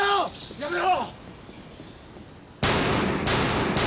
やめろ！